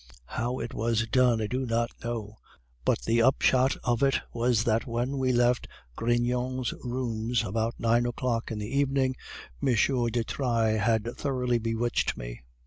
How it was done I do not know, but the upshot of it was that when we left Grignon's rooms about nine o'clock in the evening, M. de Trailles had thoroughly bewitched me.